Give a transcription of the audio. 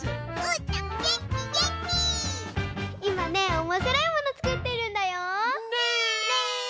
いまねおもしろいものつくってるんだよ。ね！